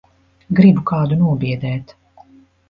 Gribu kādu nobiedēt.